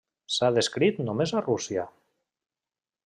S'ha descrit només a Rússia.